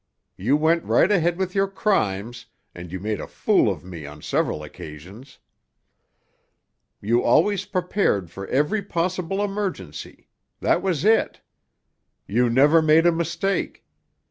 You went right ahead with your crimes, and you made a fool of me on several occasions. You always prepared for every possible emergency; that was it. You never made a mistake.